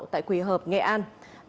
tại quỳ hợp nghệ an